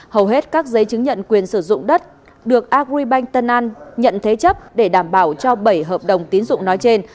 hầu hết các giấy chứng nhận quyền sử dụng đất được agribank tân an nhận thế chấp để đảm bảo cho bảy hợp đồng tín dụng nói trên